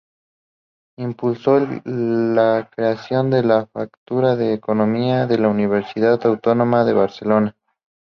Impulsó la creación de la facultad de economía de la Universidad Autónoma de Barcelona.